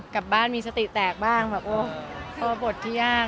กลับบ้านมีสติแตกบ้างแบบโอ้บทที่ยาก